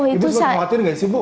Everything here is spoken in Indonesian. ibu semua kemau hati gak sih bu